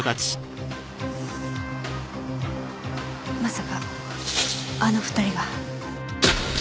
まさかあの２人が。